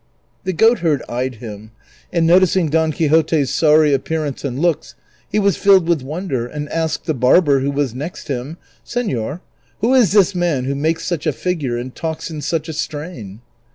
The goatherd eyed him, and noticing Don Quixote's sorry appearance and looks, he was filled with wonder and asked the barber, who was next him, " Senor, who is this man who makes such a figure and talks in such a strain